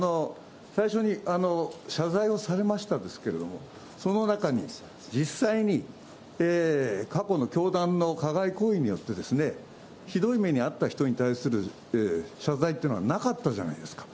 最初に謝罪をされましたですけれども、その中に、実際に過去の教団の加害行為によって、ひどい目に遭った人に対する謝罪というのはなかったじゃないですか。